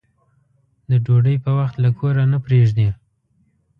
د ډوډۍ په وخت له کوره نه پرېږدي.